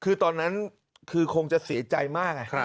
คือตอนนั้นคือคงจะเสียใจมาก